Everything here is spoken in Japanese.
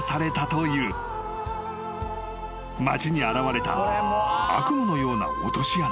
［町に現れた悪夢のような落とし穴］